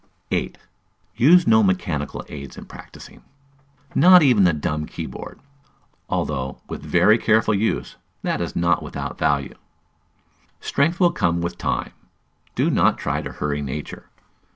8. Use no mechanical aids in practising, not even the dumb key board; although, with very careful use, that is not without value. Strength will come with time; do not try to hurry nature.